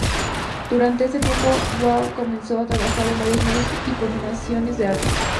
Durante este tiempo, Waugh comenzó a trabajar en varios medios y combinaciones de arte.